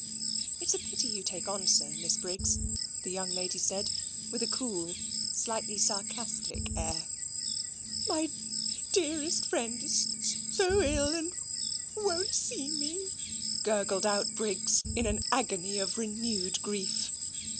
"It is a pity you take on so, Miss Briggs," the young lady said, with a cool, slightly sarcastic, air. "My dearest friend is so ill, and wo o on't see me," gurgled out Briggs in an agony of renewed grief.